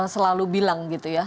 selalu bilang gitu ya